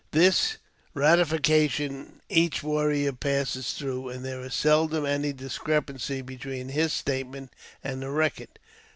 This ratification each warrior passes through, and there is seldom any discrepancy between his statement and the record.